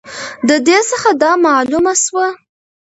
د دې څخه دا معلومه سوه